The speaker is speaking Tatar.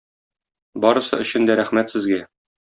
Барысы өчен дә рәхмәт сезгә!